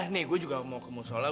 nih gue juga mau ke musola